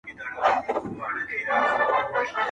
چي ډوب تللی وو د ژوند په اندېښنو کي!!